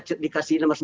itu sudah tidak besar